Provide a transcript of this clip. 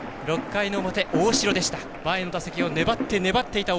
６回の表、大城でした。